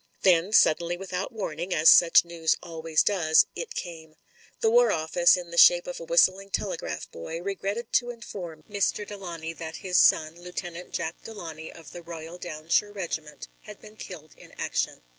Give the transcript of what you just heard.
Then suddenly without warning, as such news always does, it came. The War Office, in the shape of a whistling telegraph boy, regretted to inform Mr. Delawnay that his son, Lieutenant Jack Delawnay of the Royal Downshire Regiment, had been killed in action.